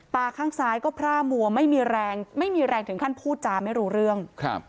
ตาข้างซ้ายก็พร่ามัวไม่มีแรงไม่มีแรงถึงขั้นพูดจาไม่รู้เรื่องครับ